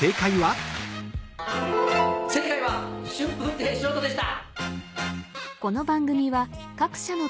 正解は春風亭昇太でした！